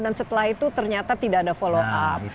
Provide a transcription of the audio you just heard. dan setelah itu ternyata tidak ada follow up